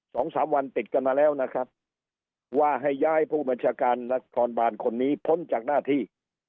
สองสามวันติดกันมาแล้วนะครับว่าให้ย้ายผู้บัญชาการนครบานคนนี้พ้นจากหน้าที่